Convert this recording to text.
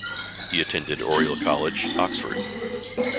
He attended Oriel College, Oxford.